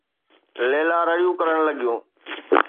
ليلا رڙيون ڪرڻ لڳيون.